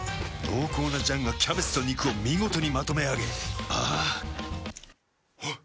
濃厚な醤がキャベツと肉を見事にまとめあげあぁあっ。